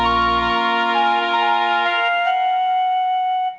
ใกล้ตาได้ยินมันล่าเสียงไกล